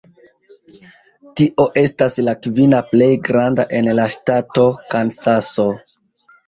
Tio estas la kvina plej granda en la ŝtato Kansaso.